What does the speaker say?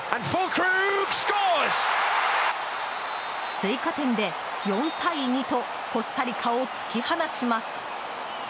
追加点で４対２とコスタリカを突き放します。